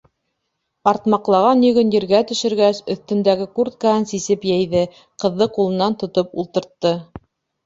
Артмаҡлаған йөгөн ергә төшөргәс, өҫтөндәге курткаһын сисеп йәйҙе, ҡыҙҙы ҡулынан тотоп ултыртты.